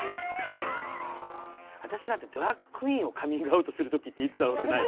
私らってドラァグクイーンをカミングアウトする時っていつだろうってない？